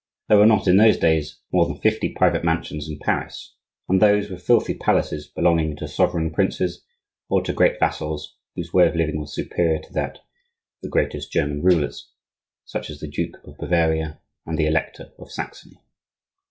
There were not, in those days, more than fifty private mansions in Paris, and those were fifty palaces belonging to sovereign princes, or to great vassals, whose way of living was superior to that of the greatest German rulers, such as the Duke of Bavaria and the Elector of Saxony.